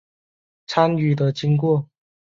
参与的经过